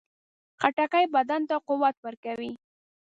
خټکی بدن ته قوت ورکوي.